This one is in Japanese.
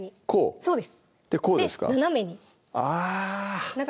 そうです